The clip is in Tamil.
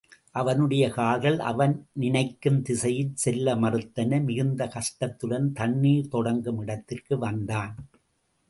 அவனுடைய கால்கள் அவன் நினைக்கும் திசையில் செல்ல மறுத்தன மிகுந்த கஷ்டத்துடன், தண்ணீர் தொடங்கும் இடத்திற்கு வந்தான்.